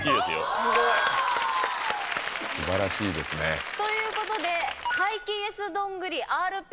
すごい。素晴らしいですね。ということで。